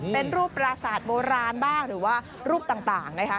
เป็นรูปปราศาสตร์โบราณบ้างหรือว่ารูปต่างนะคะ